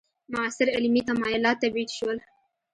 معاصر علمي تمایلات تبعید شول.